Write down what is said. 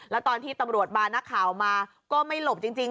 แล้วตอนที่ตำรวจบานักข่าวมาก็ไม่หลบจริง